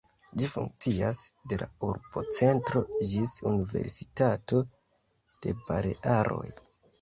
Ĝi funkcias de la urbocentro ĝis Universitato de Balearoj.